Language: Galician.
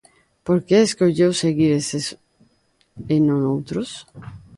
Por que escolleu seguir eses e non outros?